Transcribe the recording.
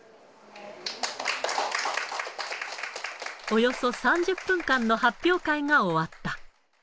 およそ３０分間の発表会が終わった。